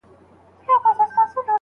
کوم زاهد په يوه لاس ورکړی ډهول دی